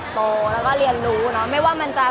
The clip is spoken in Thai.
มันเป็นเรื่องน่ารักที่เวลาเจอกันเราต้องแซวอะไรอย่างเงี้ย